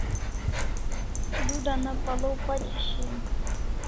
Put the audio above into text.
Du dana pal'aw pachi shian